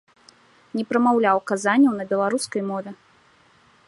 Не прамаўляў казанняў на беларускай мове.